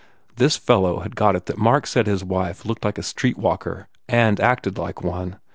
This fellow had got it that Mark said his wife looked like a streetwalker and acted like one.